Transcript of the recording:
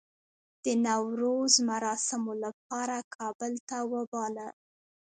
د نوروز مراسمو لپاره کابل ته وباله.